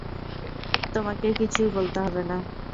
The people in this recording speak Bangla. তোমাকে কিছুই বলতে হবে না।